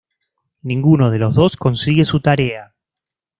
Ninguno de los dos consigue su tarea.